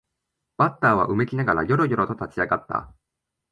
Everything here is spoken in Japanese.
バッターはうめきながらよろよろと立ち上がった